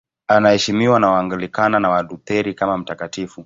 Anaheshimiwa na Waanglikana na Walutheri kama mtakatifu.